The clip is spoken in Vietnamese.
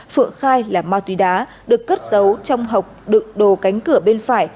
phượng khai là ma túy đá được cất giấu trong hộp đựng đồ cánh cửa bên phải